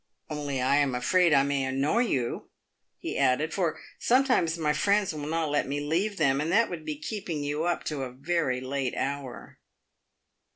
" Only I am afraid I may annoy you," he added, " for sometimes my friends will not let me leave them, and that would be keeping you up to a very late hour."